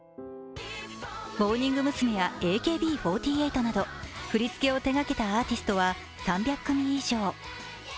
モーニング娘やＡＫＢ４８など振り付けを手がけたアーティストは３００組以上。